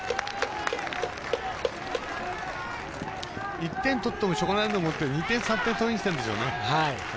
１点、取ってもしょうがないので２点、３点取りにきてるんでしょうね。